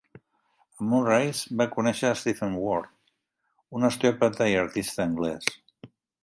A Murray's va conèixer Stephen Ward, un osteòpata i artista anglès.